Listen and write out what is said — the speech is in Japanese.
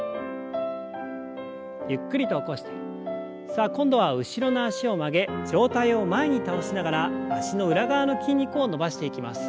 さあ今度は後ろの脚を曲げ上体を前に倒しながら脚の裏側の筋肉を伸ばしていきます。